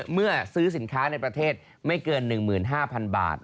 เมื่อซื้อสินค้าในประเทศไม่เกิน๑๕๐๐๐บาท